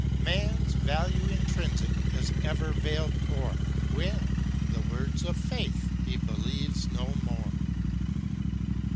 Man's value intrinsic is ever veiled o'er, When, the Words of Faith, he believes no more.